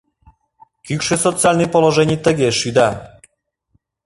Кӱкшӧ социальный положений тыге шӱда.